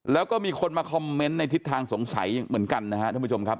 แล้วก็มีคนมาคอมเมนต์ในทิศทางสงสัยเหมือนกันนะครับท่านผู้ชมครับ